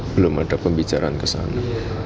belum ada pembicaraan ke sana